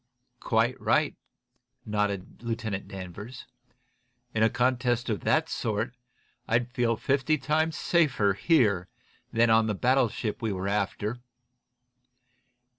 "Quite right," nodded Lieutenant Danvers. "In a contest of that sort I'd feel fifty times safer here than on the battleship we were after.